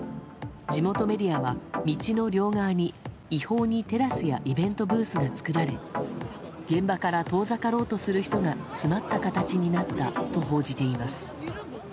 地元メディアは道の両側に違法にテラスやイベントブースが作られ現場から遠ざかろうとする人が詰まった形になったと報じています。